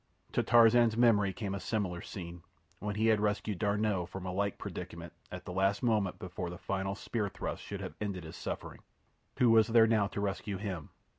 To Tarzan's memory came a similar scene, when he had rescued D'Arnot from a like predicament at the last moment before the final spear thrust should have ended his sufferings. Who was there now to rescue him?